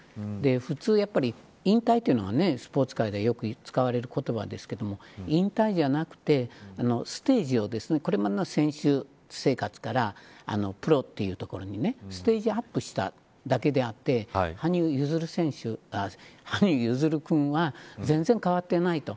普通やっぱり引退というのはスポーツ界でよく使われる言葉ですけれど引退じゃなくてステージをこれまでの選手生活からプロというところにねステージアップしただけであって羽生結弦君は全然変わっていないと。